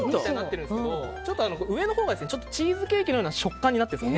上のほうがチーズケーキのような食感になってるんです